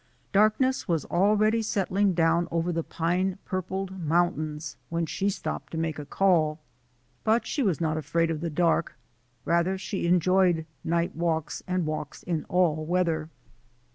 Darkness was already settling down over the pine purpled mountains when she stopped to make a call. But she was not afraid of the dark — rather, she enjoyed night walks and walks in all weather.